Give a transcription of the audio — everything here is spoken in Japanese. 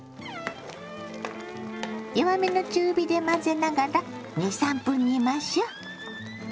弱めの中火で混ぜながら２３分煮ましょ。